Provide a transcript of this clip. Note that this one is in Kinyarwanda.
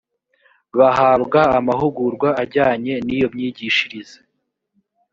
bahabwa amahugurwa ajyanye n iyo myigishirize